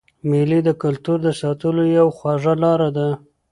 مېلې د کلتور د ساتلو یوه خوږه لار ده.